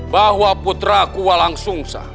bahwa putra ku walang sungsa